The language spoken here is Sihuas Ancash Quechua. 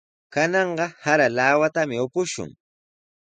Kananqa sara lawatami upushun.